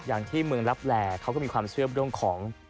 อย่างที่เมืองลับแหล่เขาก็มีความเชื่อเรื่องของ